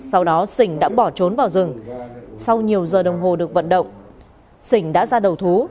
sau đó sình đã bỏ trốn vào rừng sau nhiều giờ đồng hồ được vận động sỉnh đã ra đầu thú